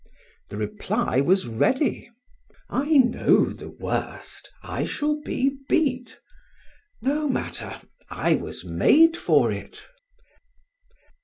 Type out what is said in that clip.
the reply was ready, "I know the worst, I shall be beat; no matter, I was made for it."